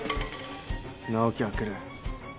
直樹は来る。